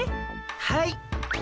はい。